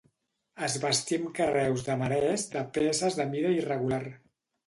Es bastí amb carreus de marès de peces de mida irregular.